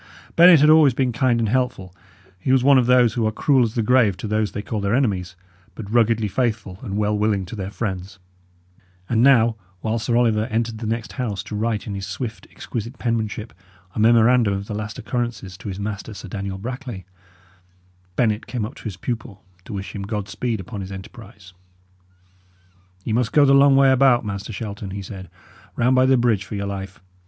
Bennet had always been kind and helpful; he was one of those who are cruel as the grave to those they call their enemies, but ruggedly faithful and well willing to their friends; and now, while Sir Oliver entered the next house to write, in his swift, exquisite penmanship, a memorandum of the last occurrences to his master, Sir Daniel Brackley, Bennet came up to his pupil to wish him God speed upon his enterprise. "Ye must go the long way about, Master Shelton," he said; "round by the bridge, for your life!